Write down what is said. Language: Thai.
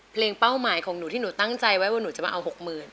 เป้าหมายของหนูที่หนูตั้งใจไว้ว่าหนูจะมาเอา๖๐๐๐